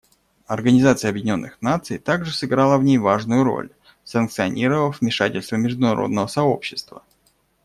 Организация Объединенных Наций также сыграла в ней важную роль, санкционировав вмешательство международного сообщества.